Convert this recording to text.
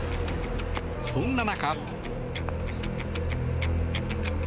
そんな中。